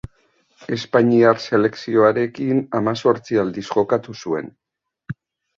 Espainiar selekzioarekin hamazortzi aldiz jokatu zuen.